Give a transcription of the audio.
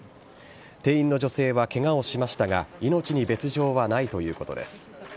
店員の女性はケガをしましたが命に別条はないということです。